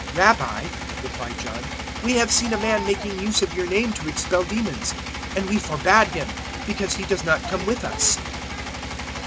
009:049 "Rabbi," replied John, "we have seen a man making use of your name to expel demons; and we forbad him, because he does not come with us."